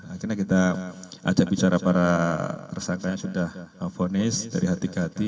akhirnya kita ajak bicara para tersangka yang sudah fonis dari hati ke hati